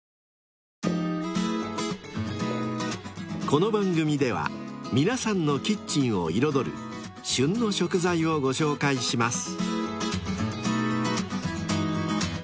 ［この番組では皆さんのキッチンを彩る「旬の食材」をご紹介します］